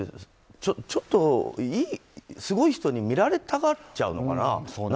ちょっとすごい人に見られたがっちゃうのかな。